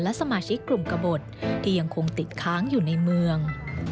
และสมาชิกกลุ่มกระบดที่ยังคงติดค้างอยู่ในเมือง